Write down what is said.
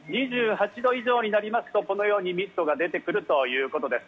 ２８度以上になりますと、このようにミストが出てくるということです。